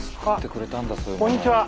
こんにちは。